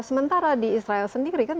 sementara di israel sendiri kan